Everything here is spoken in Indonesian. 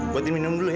buat diminum dulu ya